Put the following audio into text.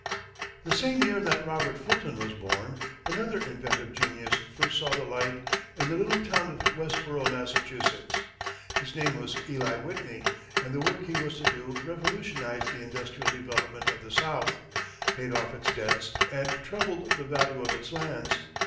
The same year that Robert Fulton was born, another inventive genius first saw the light in the little town of Westborough, Massachusetts. His name was Eli Whitney, and the work he was to do revolutionized the industrial development of the South, paid off its debts, and trebled the value of its lands.